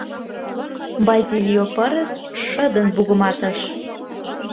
— Базилио пырыс шыдын мугыматыш.